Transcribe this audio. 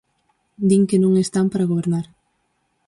Din que non están para gobernar.